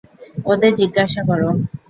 ওদের জিজ্ঞেস করো।